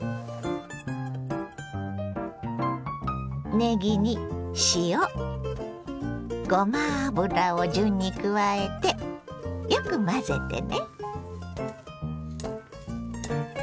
ねぎに塩ごま油を順に加えてよく混ぜてね。